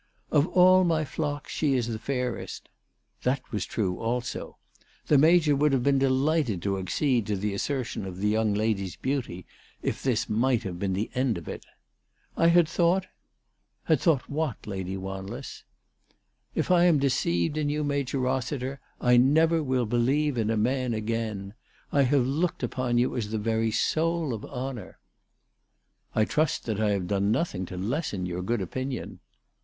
" Of all my flock she is the fairest." That was true also. The Major would have been delighted to accede to the assertion of the young lady's beauty, if this might have been the end of it. "I had thought "" Had thought what, Lady Wanless ?" "If I am deceived in you, Major Eossiter, I never will believe in a man again. I have looked upon you as the very soul of honour." " I trust that I have done nothing to lessen your good opinion."